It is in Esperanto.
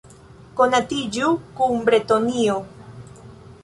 Konatiĝu kun Bretonio!